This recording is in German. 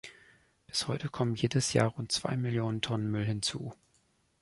Bis heute kommen jedes Jahr rund zwei Millionen Tonnen Müll hinzu.